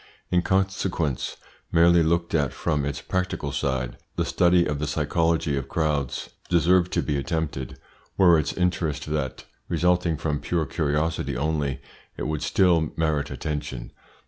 In consequence, merely looked at from its practical side, the study of the psychology of crowds deserved to be attempted. Were its interest that resulting from pure curiosity only, it would still merit attention.